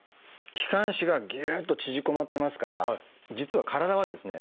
気管支がぎゅっと縮こまってますから実は体はですね